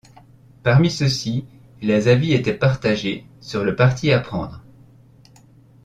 Parmi ceux-ci, les avis étaient partagés sur le parti à prendre.